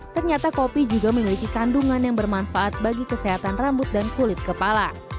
ternyata kopi juga memiliki kandungan yang bermanfaat bagi kesehatan rambut dan kulit kepala